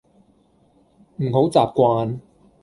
唔好習慣